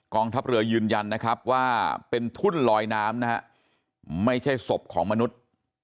กองทัพเรือยืนยันว่าเป็นทุ่นลอยน้ำไม่ใช่ศพของมนุษย์